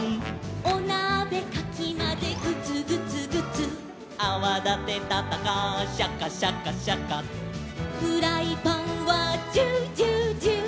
「おなべかきまぜグツグツグツ」「アワだてたったかシャカシャカシャカ」「フライパンはジュージュージュー」